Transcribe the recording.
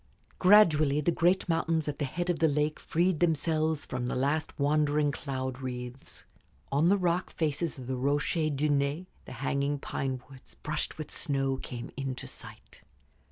Gradually the great mountains at the head of the lake freed themselves from the last wandering cloud wreaths. On the rock faces of the Rochers de Naye the hanging pine woods, brushed with snow, came into sight.